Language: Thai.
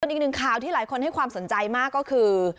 อีกหนึ่งข่าวที่หลายคนให้ความสนใจมากก็คือ